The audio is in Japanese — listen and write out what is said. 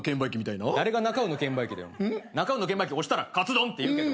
なか卯の券売機押したら「カツ丼」って言うけど。